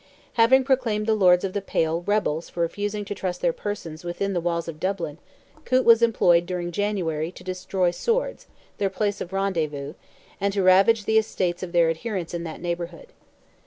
Having proclaimed the Lords of the Pale rebels for refusing to trust their persons within the walls of Dublin, Coote was employed during January to destroy Swords, their place of rendezvous, and to ravage the estates of their adherents in that neighbourhood.